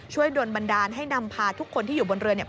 โดนบันดาลให้นำพาทุกคนที่อยู่บนเรือเนี่ย